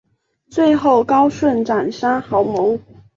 最后高顺斩杀郝萌。